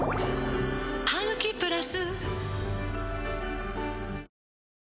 「ハグキプラス」